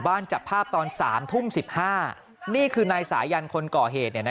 บ้านจับภาพตอน๓ทุ่ม๑๕นี่คือนายสายยันทร์คนเกาะเหตุนะ